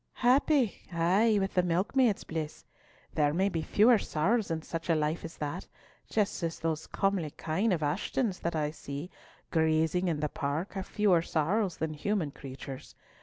"Happy—ay, with the milkmaid's bliss. There may be fewer sorrows in such a life as that—just as those comely kine of Ashton's that I see grazing in the park have fewer sorrows than human creatures.